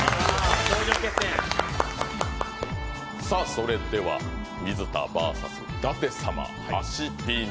それでは水田ＶＳ舘様脚ピーン